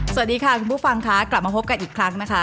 สวัสดีค่ะคุณผู้ฟังค่ะกลับมาพบกันอีกครั้งนะคะ